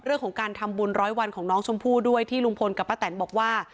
เรื่องของการทำบุญร้อยวันของน้องชมพู่ด้วยที่ลุงพลกับป้าแตนบอกว่า